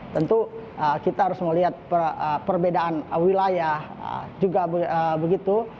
tentu kita harus melihat perbedaan wilayah juga begitu